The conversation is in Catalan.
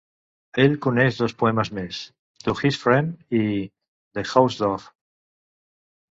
Ell coneix dos poemes més: "To His Friend" i "The Housedove".